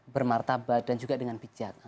bermartabat dan juga dengan bijak